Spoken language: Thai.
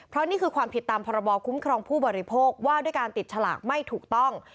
เพราะนี่คือความผิดตามพรบคุ้มครองผู้บริโภคว่าด้วยการติดฉลากไม่ถูกต้อง